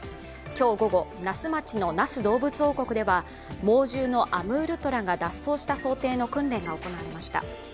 今日午後、那須町の那須どうぶつ王国では猛獣のアムールトラが脱走した想定の訓練が行われました。